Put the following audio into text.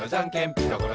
ピタゴラ